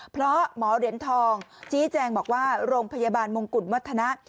เพราะหมอเหรียญทองชี้แจงบอกว่าโรงพยาบาลมงกุฎวัฒนะ